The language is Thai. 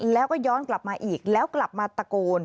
แล้วก็ย้อนกลับมาอีกแล้วกลับมาตะโกน